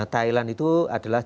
thailand itu adalah